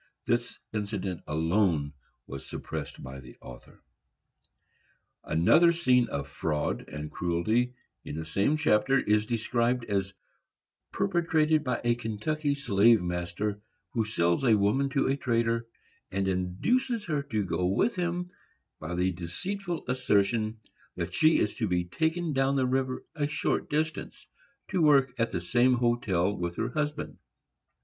This incident alone was suppressed by the author. Another scene of fraud and cruelty, in the same chapter, is described as perpetrated by a Kentucky slave master, who sells a woman to a trader, and induces her to go with him by the deceitful assertion that she is to be taken down the river a short distance, to work at the same hotel with her husband.